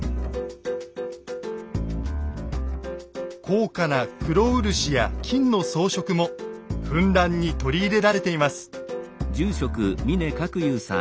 高価な黒漆や金の装飾もふんだんに取り入れられています。